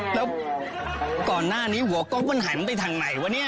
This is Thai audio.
แล้วก่อนหน้านี้หัวกล้องมันหายมันไปทางไหนวะเนี่ย